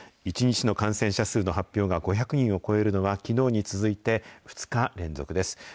１日の感染者数の発表が５００人を超えるのは、きのうに続いて２日連続です。